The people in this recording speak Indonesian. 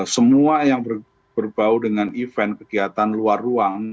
semua yang berbau dengan event kegiatan luar ruang